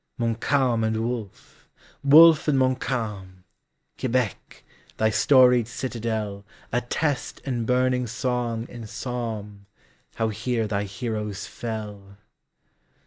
Montcalm and Wolfe! Wolfe and Montcalm! Quebec, thy storied citadelAttest in burning song and psalmHow here thy heroes fell!